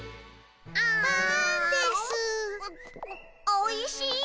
おいしい。